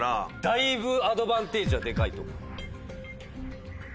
だいぶアドバンテージはデカいと思う。